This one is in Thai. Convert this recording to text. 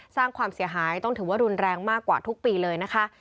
สร้างความเสียหายต้องถือว่ารุนแรงมากกว่าทุกปีเลยนะคะ